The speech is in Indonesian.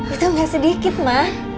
itu gak sedikit ma